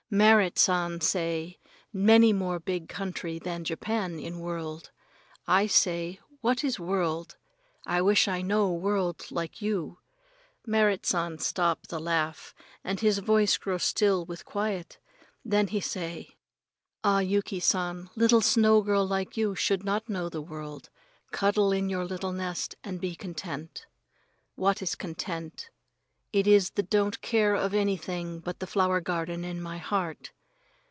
Merrit San say many more big country than Japan in world. I say, "What is world? I wish I know world like you!" Merrit San stop the laugh and his voice grow still with quiet, then he say: "Ah, Yuki San, little snow girl like you should not know the world. Cuddle in your little nest and be content." What is content? It is the don't care of anything but the flower garden in my heart.